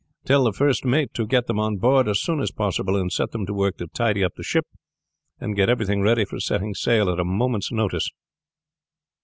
Tell the first mate to get them on board as soon as possible, and set them to work to tidy up the ship and get everything ready for setting sail at a moment's notice.